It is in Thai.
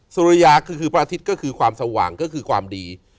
สุริยาคือพระอาทิตย์ก็คือความสว่างก็คือความดี